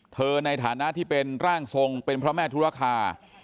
ในฐานะที่เป็นร่างทรงเป็นพระแม่ธุรคา